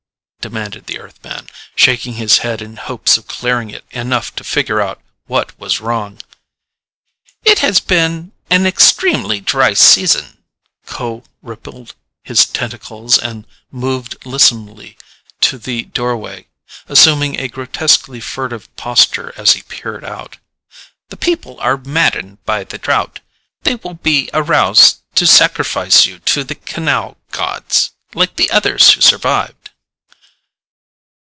demanded the Earthman, shaking his head in hopes of clearing it enough to figure out what was wrong. "It has been an extremely dry season." Kho rippled his tentacles and moved lissomely to the doorway, assuming a grotesquely furtive posture as he peered out. "The people are maddened by the drought. The will be aroused to sacrifice you to the Canal Gods, like the others who survived."